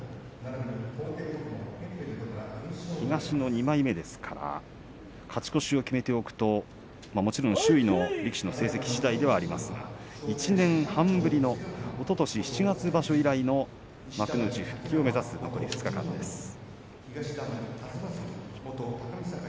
東の２枚目ですから勝ち越しを決めておくともちろん周囲の力士の成績しだいではありますが１年半ぶりのおととし七月場所ぶりの幕内復帰を目指す残り２日間です。